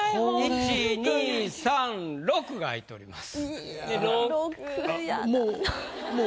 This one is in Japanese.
１２３６が空いております。